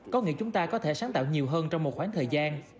có nghĩa chúng ta có thể sáng tạo nhiều hơn trong một khoảng thời gian